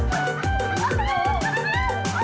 banget tuh bulu ketek